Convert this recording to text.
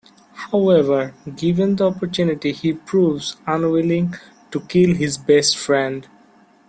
However, given the opportunity he proves unwilling to kill his best friend.